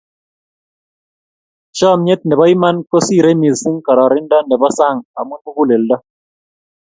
chomyet nebo iman kosiirei mising kararanindo nebo sang, amu muguleldo.